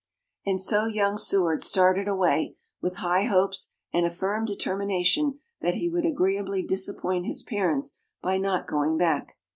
And so young Seward started away, with high hopes and a firm determination that he would agreeably disappoint his parents by not going back.